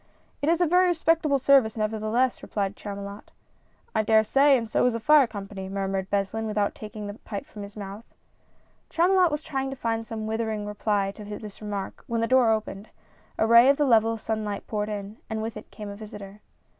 "It is a very respectable service, nevertheless," re plied Chamulot. " I dare say, and so is a fire company," murmured Beslin, without taking his pipe from his mouth. Chamulot was trying to find some withering reply to 30 A FISH SUPPER. this remark, when the door opened ; a ray of the level sunlight poured in, and with it came a visitor.